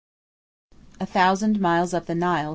A Thousand Miles Up The Nile.